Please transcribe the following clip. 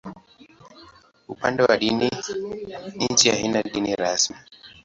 Upande wa dini, nchi haina dini rasmi.